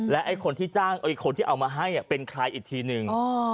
และไอ้คนที่จ้างเออคนที่เอามาให้อ่ะเป็นใครอีกทีหนึ่ง